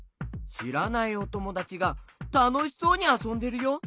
しらないおともだちがたのしそうにあそんでるよ。